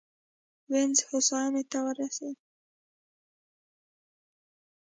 وینز هوساینې ته ورسېد.